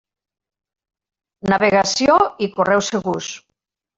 Navegació i correu segurs.